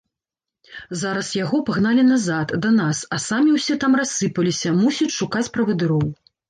Зараз яго пагналі назад, да нас, а самі ўсе там рассыпаліся, мусіць, шукаць правадыроў.